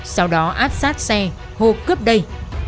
sau đó áp sát xe hộp cướp đây